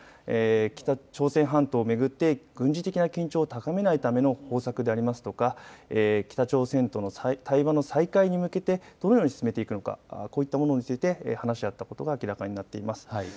北朝鮮半島を巡って軍事的な緊張を高めないための方策でありますとか北朝鮮との対話の再開に向けてどのように進めていくのか、こういったものについて話し合ったことが明らかになっています。